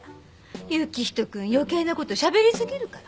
行人君余計な事しゃべりすぎるから。